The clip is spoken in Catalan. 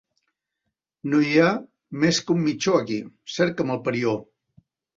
No hi ha més que un mitjó, aquí: cerca'm el parió.